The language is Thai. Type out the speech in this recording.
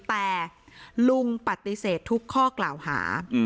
แต่ลุงปฏิเสธทุกข้อกล่าวหา